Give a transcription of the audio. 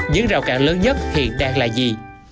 những rào cản lớn nhất hiện đang là gì